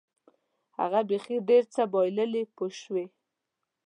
هغه بیخي ډېر څه بایلي پوه شوې!.